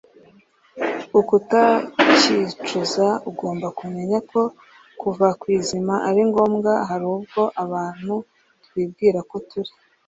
ukutaryicuza. agomba kumenya ko kuva ku izima ari ngombwa hari ubwo abantu twibwira ko turi